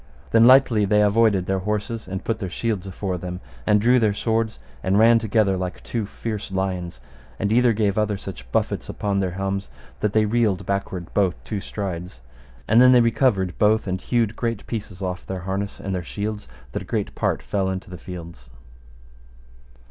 Then lightly they avoided their horses and put their shields afore them, and drew their swords and ran together like two fierce lions, and either gave other such buffets upon their helms that they reeled backward both two strides; and then they recovered both, and hewed great pieces off their harness and their shields that a great part fell into the fields.